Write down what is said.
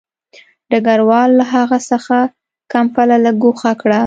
ډګروال له هغه څخه کمپله لږ ګوښه کړه